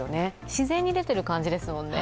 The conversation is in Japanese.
自然に出てる感じですもんね。